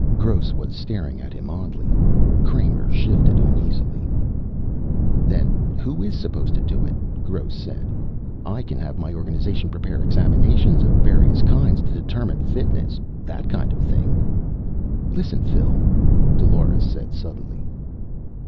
Gross was staring at him oddly. Kramer shifted uneasily. "Then who is supposed to do it?" Gross said. "I can have my organization prepare examinations of various kinds, to determine fitness, that kind of thing " "Listen, Phil," Dolores said suddenly.